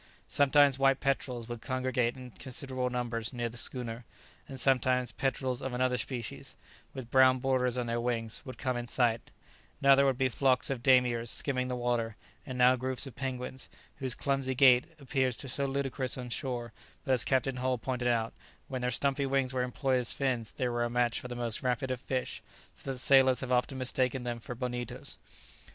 Sometimes white petrels would congregate in considerable numbers near the schooner; and sometimes petrels of another species, with brown borders on their wings, would come in sight; now there would be flocks of damiers skimming the water; and now groups of penguins, whose clumsy gait appears so ludicrous on shore; but, as Captain Hull pointed out, when their stumpy wings were employed as fins, they were a match for the most rapid of fish, so that sailors have often mistaken them for bonitos.